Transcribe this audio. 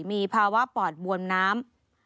มีภาวะปอดบวมน้ำ